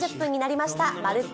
「まるっと！